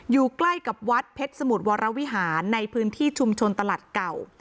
อยู่ใกล้กับวัดเพชรสมุทรวรวิหารในพื้นที่ชุมชนตลาดเก่า